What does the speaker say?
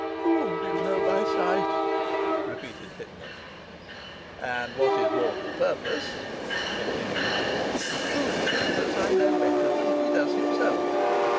'Whom do you know by sight?' repeated Pitman. 'And what is more to the purpose,' continued Michael, 'whose chambers I know better than he does himself.